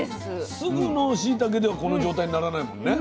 すぐのしいたけではこの状態にならないもんね。